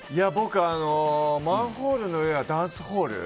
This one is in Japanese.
「マンホールの上はダンスホール」